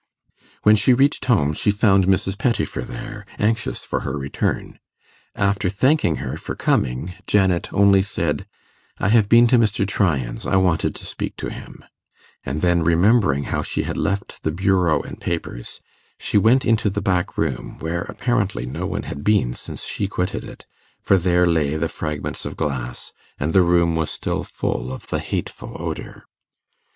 When she reached home she found Mrs. Pettifer there, anxious for her return. After thanking her for coming, Janet only said, 'I have been to Mr. Tryan's; I wanted to speak to him;' and then remembering how she had left the bureau and papers, she went into the back room, where, apparently, no one had been since she quitted it; for there lay the fragments of glass, and the room was still full of the hateful odour.